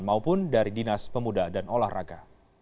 maupun dari dinas pemuda dan olahraga